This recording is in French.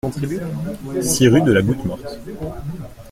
six rue de la Goutte Morte